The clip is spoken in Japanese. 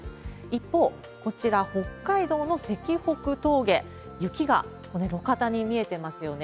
一方、こちら、北海道の石北峠、雪が路肩に見えてますよね。